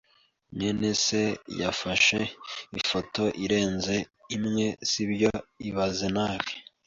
mwene se yafashe ifoto irenze imwe, sibyo ibaze nawe